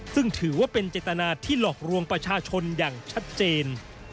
ซึ่งถือว่าเป็นเจตนาที่หลอกลวงประชาชนอย่างชัดเจน